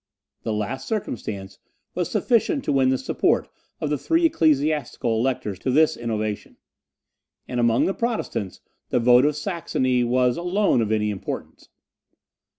The last circumstance was sufficient to win the support of the three Ecclesiastical Electors to this innovation; and among the Protestants the vote of Saxony was alone of any importance.